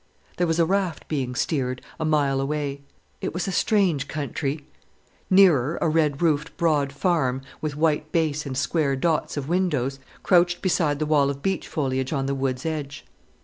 There was a raft being steered, a mile away. It was a strange country. Nearer, a red roofed, broad farm with white base and square dots of windows crouched beside the wall of beech foliage on the wood's edge.